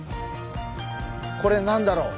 これなんだろう？